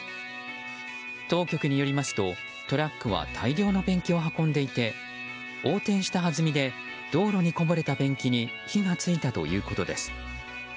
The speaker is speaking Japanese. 当局によりますと、トラックは大量のペンキを運んでいて横転したはずみで道路にこぼれたペンキに火が付いたということです。